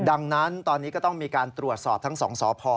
ดังนั้นตอนนี้ก็ต้องมีการตรวจสอบทั้ง๒สพ